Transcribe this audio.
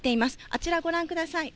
あちらご覧ください。